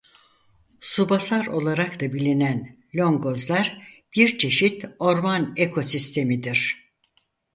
Subasar olarak da bilinen longozlar bir çeşit orman ekosistemidir.